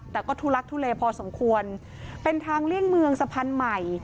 แต่ก็ทุลักทุเลพอสมควรเป็นทางเลี่ยงเมืองสะพานใหม่